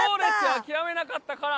諦めなかったから。